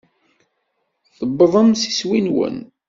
Tuwḍem s iswi-nwen.